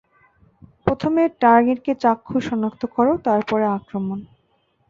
প্রথমে টার্গেটকে চাক্ষুস সনাক্ত করো, তারপরে আক্রমণ।